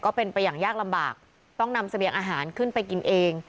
ก็เป็นไปอย่างยากลำบากต้องนำเสบียงอาหารขึ้นไปกินเอง